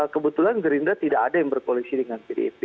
kebetulan gerindra tidak ada yang berkoalisi dengan pdip